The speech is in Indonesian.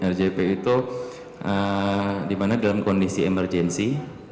rgp itu di mana dalam kondisi emergensi